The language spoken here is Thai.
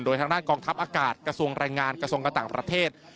โดยทางด้านกองทัพอากาศกระทรวงแรงงานกระทรวงการต่างประเทศ